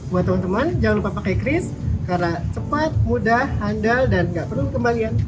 buat teman teman jangan lupa pakai cris karena cepat mudah handal dan gak perlu kembalian